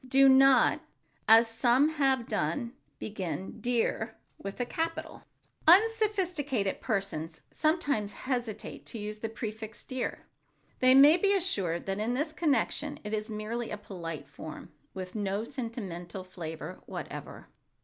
Do not—as some have done—begin "dear" with a capital. Unsophisticated persons sometimes hesitate to use the prefix "dear,"—they may be assured that in this connection it is merely a polite form, with no sentimental flavor whatever.